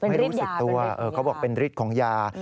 ไม่รู้สึกตัวเขาบอกเป็นฤทธิ์ของยา